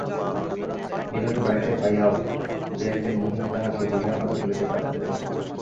বিনয়কে বাড়িতে পাইয়াও দুই-এক দিন মহিম তাহাকে বিবাহের কথা বলিতে পারেন নাই।